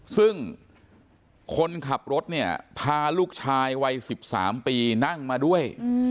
ซึ่งคนขับรถเนี่ยพาลูกชายวัย๑๓ปีนั่งมาด้วย